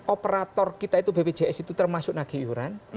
operator kita itu bpjs itu termasuk nagi iuran